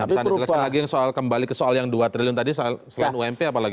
bisa dituliskan lagi kembali ke soal yang dua triliun tadi selain ump apalagi